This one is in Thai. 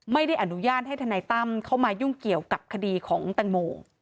ไม่ได้อนุญาตให้ทนายตั้มเข้ามายุ่งเกี่ยวกับคดีของแตงโม